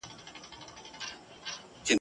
فرعون غوټه د خپل زړه کړه ورته خلاصه !.